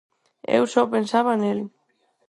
Eu só pensaba nel.